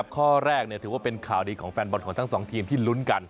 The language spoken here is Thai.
ข้อแรกถือว่าเป็นข่าวดีของแฟนบอลของทั้งสองทีมที่ลุ้นกัน